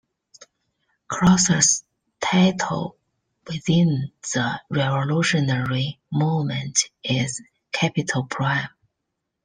Croser's title within the revolutionary movement is Capital Prime.